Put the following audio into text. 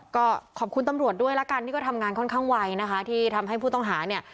ก็ขอบคุณตำรวจด้วยละกันที่ก็ทำงานค่อนข้างไวนะคะที่ทำให้ผู้ต้องหาเนี่ย